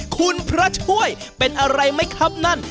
คุณพระช่วยเป็นอะไรไหมครับนั่น